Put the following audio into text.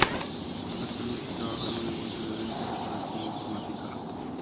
Actualmente trabaja en un negocio de venta y reparación de informática.